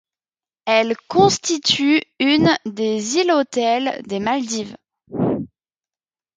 Elle constitue une des îles-hôtel des Maldives.